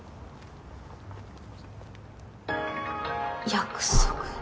約束？